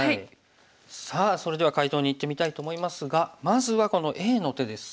さあそれでは解答にいってみたいと思いますがまずはこのＡの手です。